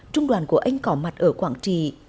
trung đoàn của anh có mặt ở quảng trì